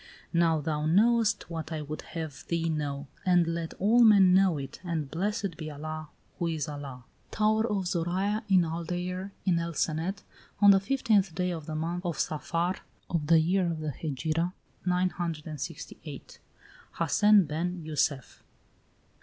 "Now thou knowest what I would have thee know, and let all men know it, and blessed be Allah who is Allah! "Tower of Zoraya, in Aldeire, in El Cenet, On the fifteenth day of the month of Saphar, Of the year of the Hegira 968. "HASSEN BEN JUSSEF."